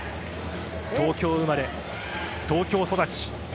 東京生まれ東京育ち。